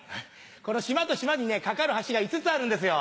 この島と島に架かる橋が５つあるんですよ。